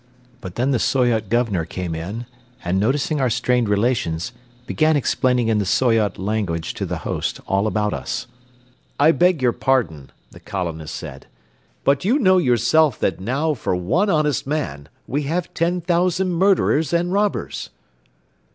But then the Soyot Governor came in and, noticing our strained relations, began explaining in the Soyot language to the host all about us. "I beg your pardon," the colonist said, "but you know yourself that now for one honest man we have ten thousand murderers and robbers."